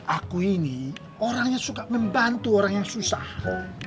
aku ini orang yang suka membantu orang yang susah